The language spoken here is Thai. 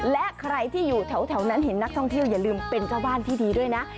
และใครที่อยู่แถวนั้นเห็นนักท่องเที่ยวอย่าลืมเป็นเจ้าบ้านที่ดีด้วยนะ